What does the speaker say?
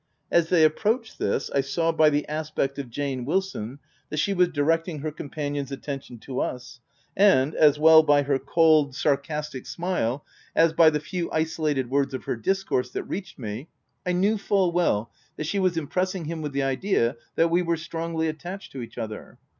As they ap proached this, I saw, by the aspect of Jane Wilson, that she was directing her companion's attention to us ; and, as well by her cold, sar castic smile, as by the few isolated words of her discourse that reached me, I knew full well that she was impressing him with the idea that we were strongly attached to each other.